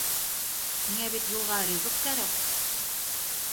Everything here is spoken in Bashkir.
Һиңә бит юлға ризыҡ кәрәк!